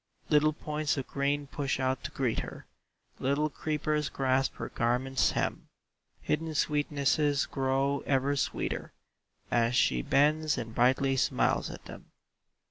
Little points of green push out to greet her, Little creepers grasp her garment's hem, Hidden sweetnesses grow ever sweeter As she bends and brightly smiles at them.